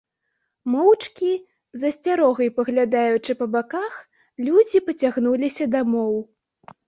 Моўчкі, з асцярогай паглядаючы па баках, людзі пацягнуліся дамоў.